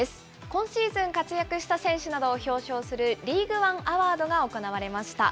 今シーズン活躍した選手などを表彰する、リーグワンアワードが行われました。